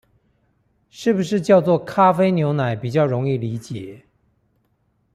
是不是叫做「咖啡牛奶」比較容易理解